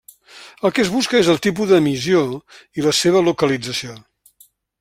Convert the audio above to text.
El que es busca és el tipus d'emissió i la seva localització.